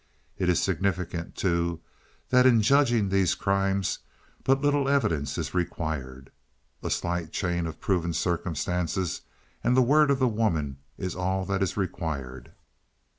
It is significant too, that, in judging these crimes, but little evidence is required. A slight chain of proven circumstances and the word of the woman is all that is required.